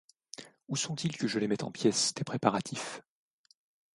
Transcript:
Où sont-ils que je les mette en pièces, tes préparatifs?